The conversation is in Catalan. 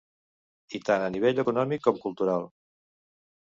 I tant a nivell econòmic com cultural.